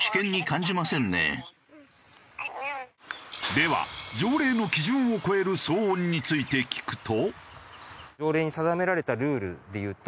では条例の基準を超える騒音について聞くと。